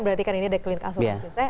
berarti kan ini ada klinik asuransi